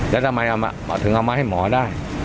แล้วทำไมถึงเอามาให้หมอได้